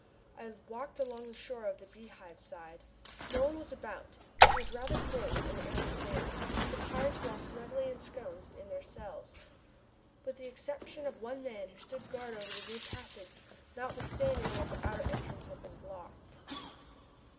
I walked along the shore on the Beehive side. No one was about. It was rather cold, and the air was damp. The pirates were all snugly ensconced in their cells, with the exception of one man, who stood guard over the new passage, notwithstanding that the outer entrance had been blocked.